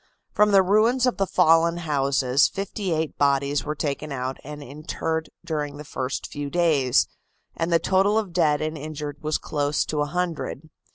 From the ruins of the fallen houses fifty eight bodies were taken out and interred during the first few days, and the total of dead and injured was close to a hundred.